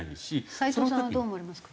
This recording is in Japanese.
斎藤さんはどう思われますか？